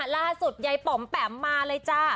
ล่าสุดยายป๋อมแปมมาเลยจ้า